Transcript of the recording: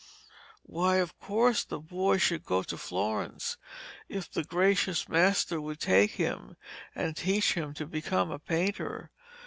Why, of course, the boy should go to Florence if the gracious master would take him and teach him to become a painter.